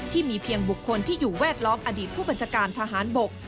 เพียงบุคคลที่อยู่แวดล้อมอดีตผู้บัญชาการทหารบก